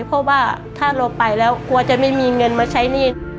เพราะว่าถ้าเราไปแล้วกลัวจะไม่มีเงินมาใช้หนี้